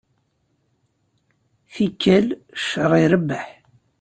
Tikkal, cceṛ irebbeḥ.